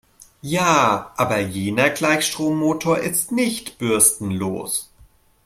Ja, aber jener Gleichstrommotor ist nicht bürstenlos.